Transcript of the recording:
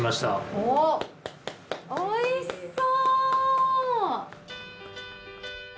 おっおいしそう！